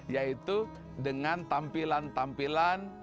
yaitu dengan tampilan tampilan